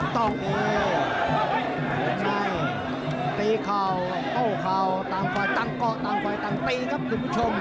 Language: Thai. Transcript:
วงในตีเข่าโต้เข่าต่างฝ่ายต่างเกาะต่างฝ่ายต่างตีครับคุณผู้ชม